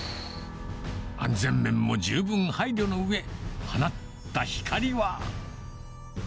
安全面も十分配慮のうえ、放った光は。